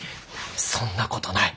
そんなことない！